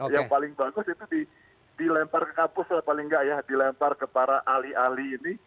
yang paling bagus itu dilempar ke kampus lah paling nggak ya dilempar ke para ahli ahli ini